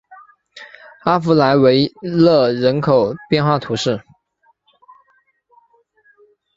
阿弗莱维勒人口变化图示